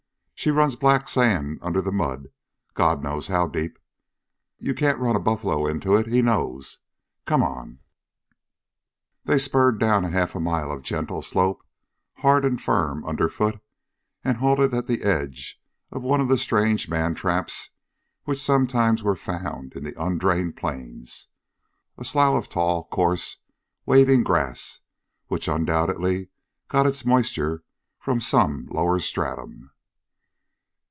She runs black sand under the mud, God knows how deep. Ye kain't run a buffler inter hit he knows. Come on!" They spurred down a half mile of gentle slope, hard and firm under foot, and halted at the edge of one of the strange man traps which sometimes were found in the undrained Plains a slough of tall, coarse, waving grass which undoubtedly got its moisture from some lower stratum.